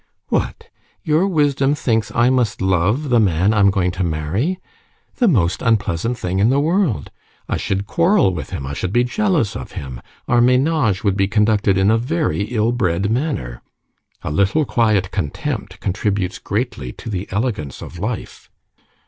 "What! your wisdom thinks I must love the man I'm going to marry? The most unpleasant thing in the world. I should quarrel with him; I should be jealous of him; our menage would be conducted in a very ill bred manner. A little quiet contempt contributes greatly to the elegance of life."